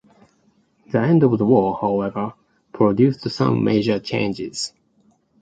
The end of the war, however, produced some major changes.